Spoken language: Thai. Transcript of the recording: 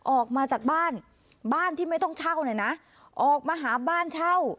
ออกมาจากบ้านบ้านที่ไม่ต้องเช่าเนี่ยนะออกมาหาบ้านเช่า